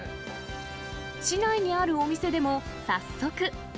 市内にあるお店でも早速。